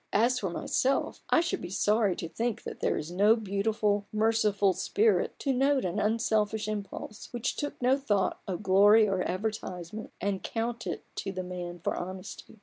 As for myself, I should be sorry to think that there is no beautiful, merciful, Spirit to note an unselfish impulse, which took no thought of glory or advertisement, and count it to the man for honesty.